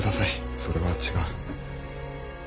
それは違う。